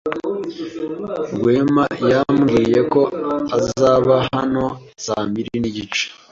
Rwema yambwiye ko azaba hano saa mbiri n'igice.